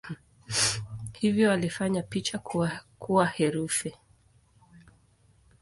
Hivyo walifanya picha kuwa herufi.